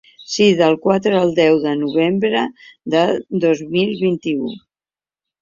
Sí, del quatre al deu de novembre de dos mil vint-i-u.